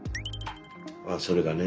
ああそれがね。